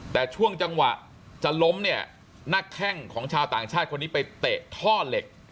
แต่ช่วงจังหวะจะล้มเนี่ยนักแข้งของชาวต่างชาติคนนี้ไปเตะท่อเหล็ก